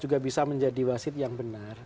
juga bisa menjadi wasit yang benar